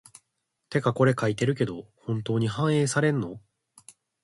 てかこれ書いてるけど、本当に反映されんの？